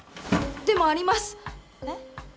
でもありますえっ